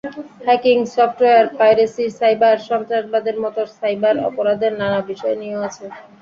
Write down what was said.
Hacking, software piracy, cyber সন্ত্রাসবাদের মতো cyber অপরাধের নানা বিষয় নিয়েও আছে।